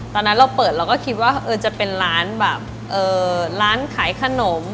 ตอนนั้นเราเปิดเราก็คิดว่าจะเป็นร้านแบบร้านขายขนม